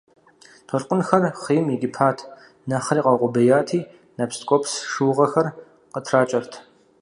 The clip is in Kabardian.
Толъкъунхэр хъийм икӀыпат, нэхъри къэукъубеяти, нэпс ткӀуэпс шыугъэхэр къытракӀэрт.